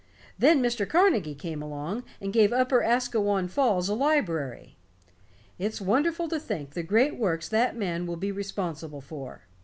Then Mr. Carnegie came along and gave Upper Asquewan Falls a library. It's wonderful to think the great works that man will be responsible for.